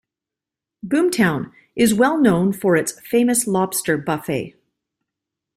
Boomtown is well-known for its Famous Lobster Buffet.